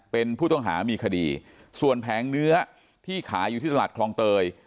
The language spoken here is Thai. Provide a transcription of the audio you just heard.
เป็นผู้ต้องหามีคดีส่วนแผงเนื้อที่ขายอยู่ที่ตลาดคลองเตย